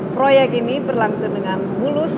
proyek ini berlangsung dengan mulus